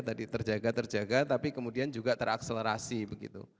tadi terjaga terjaga tapi kemudian juga terakselerasi begitu